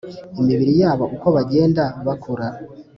imibiri yabo uko bagenda bakura